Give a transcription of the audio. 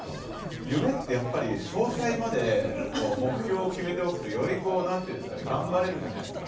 夢ってやっぱり詳細まで目標を決めておくとよりこう何て言うんですかね頑張れるじゃないですか。